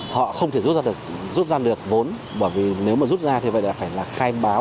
họ không thể rút ra được vốn bởi vì nếu mà rút ra thì phải khai báo